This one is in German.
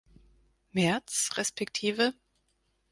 März resp.